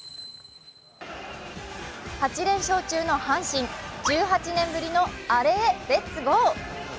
８連勝中の阪神、１８年ぶりのアレへレッツゴー。